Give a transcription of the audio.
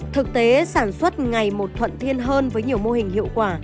thực tế sản xuất ngày một thuận thiên hơn với nhiều mô hình hiệu quả